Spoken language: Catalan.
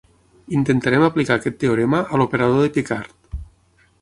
Intentarem aplicar aquest teorema a l'operador de Picard.